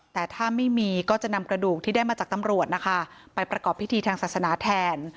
แต่ถ้าไม่มีก็จะนำกระดูกที่ได้มาจากตำรวจนะคะไปประกอบพิธีทางศาสนาแทน